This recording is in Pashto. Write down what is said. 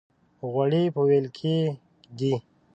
غوړي په وېل کې دي.